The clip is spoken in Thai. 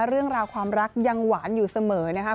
เรื่องราวความรักยังหวานอยู่เสมอนะคะ